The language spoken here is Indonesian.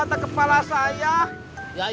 tint christina ya